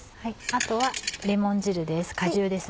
あとはレモン汁です